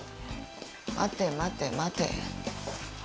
待て待て待て。